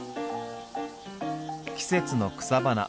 季節の草花。